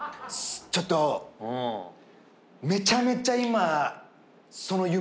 ちょっとめちゃめちゃ今。